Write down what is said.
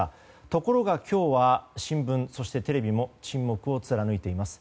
ところが今日は新聞、テレビも沈黙を貫いています。